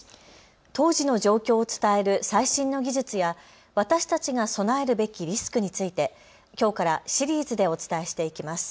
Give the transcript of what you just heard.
当時の状況を伝える最新の技術や私たちが備えるべきリスクについてきょうからシリーズでお伝えしていきます。